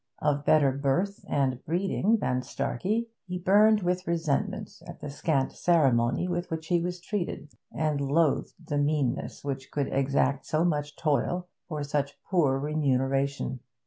Of better birth and breeding than Starkey, he burned with resentment at the scant ceremony with which he was treated, and loathed the meanness which could exact so much toil for such poor remuneration.